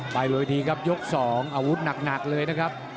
ไปโดยที่ครับยกที่๒อาวุธหนักเลยนะครับ